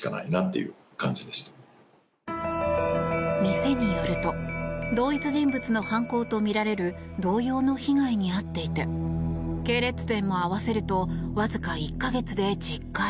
店によると同一人物の犯行とみられる同様の被害に遭っていて系列店も合わせるとわずか１か月で１０回。